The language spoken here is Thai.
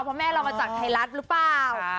แม่เรามะฉันไปจัดไทรัสหรือเปล่า